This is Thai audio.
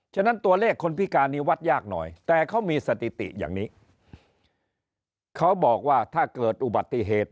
ฉะนั้นตัวเลขคนพิการนี้วัดยากหน่อยแต่เขามีสติติอย่างนี้